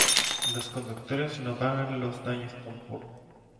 Los conductores no pagan los daños tampoco.